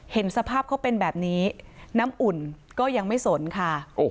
เห็นสภาพเขาเป็นแบบนี้น้ำอุ่นก็ยังไม่สนค่ะ